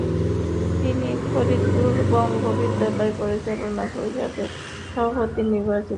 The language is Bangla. তিনি ফরিদপুর বঙ্গ বিদ্যালয়ের পরিচালনা পরিষদের সভাপতি নির্বাচিত হন।